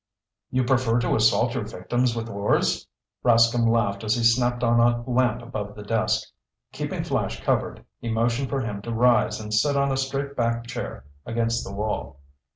"You prefer to assault your victims with oars?" Rascomb laughed as he snapped on a lamp above the desk. Keeping Flash covered, he motioned for him to rise and sit on a straight back chair against the wall.